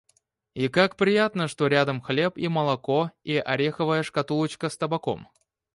И как приятно, что рядом хлеб, и молоко и ореховая шкатулочка с табаком!